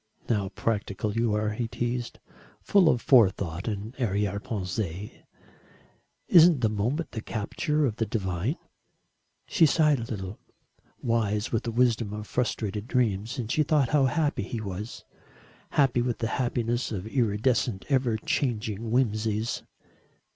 "How practical you are!" he teased, "full of forethought and arrière pensées. Isn't the moment the capture of the divine?" She sighed a little wise with the wisdom of frustrated dreams, and she thought how happy he was happy with the happiness of iridescent, ever changing whimsies.